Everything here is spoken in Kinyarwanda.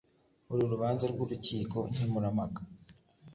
uru rubanza rw urukiko nkemurampaka